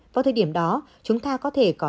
vào thời điểm đó chúng ta có thể có